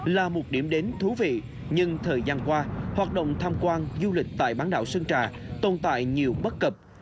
là một điểm đến thú vị nhưng thời gian qua hoạt động tham quan du lịch tại bán đảo sơn trà tồn tại nhiều bất cập